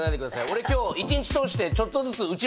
俺今日一日通してちょっとずつ。